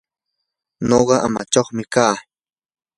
nuqa amachaqmi kaa.